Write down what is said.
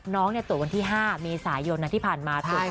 น้องนี่ตรวจวันที่๕มีสายยนต์นะที่ผ่านมา